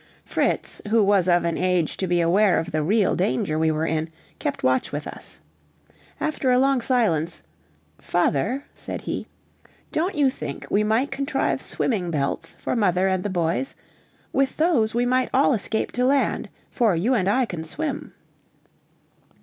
Fritz, who was of an age to be aware of the real danger we were in, kept watch with us. After a long silence, "Father," said he, "don't you think we might contrive swimming belts for mother and the boys? with those we might all escape to land, for you and I can swim."